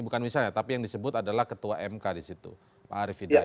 bukan misalnya tapi yang disebut adalah ketua mk di situ pak arief hidayat